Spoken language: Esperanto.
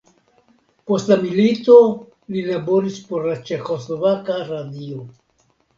Post la milito li laboris por la Ĉeĥoslovaka radio.